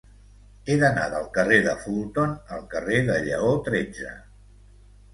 He d'anar del carrer de Fulton al carrer de Lleó tretze.